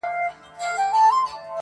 !!پر مزار به یې رپېږي جنډۍ ورو ورو!!